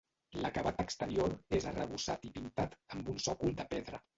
L'acabat exterior és arrebossat i pintat, amb un sòcol de pedra.